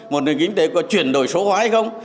một nền kinh tế có chuyển đổi số hóa hay không